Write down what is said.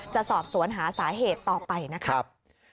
จะสอบสวนหาสาเหตุต่อไปนะครับ